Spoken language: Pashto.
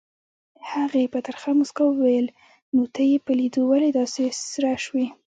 هغې په ترخه موسکا وویل نو ته یې په لیدو ولې داسې سره شوې؟